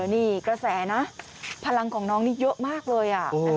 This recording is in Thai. นี่กระแสนะพลังของน้องนี่เยอะมากเลย